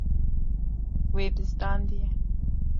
Wê bizdandiye.